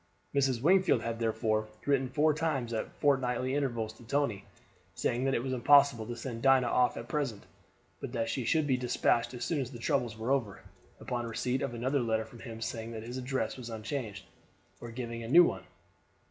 Mrs. Wingfield had therefore written four times at fort nightly intervals to Tony, saying that it was impossible to send Dinah off at present, but that she should be despatched as soon as the troubles were over, upon receipt of another letter from him saying that his address was unchanged, or giving a new one.